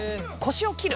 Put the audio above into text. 腰を切る！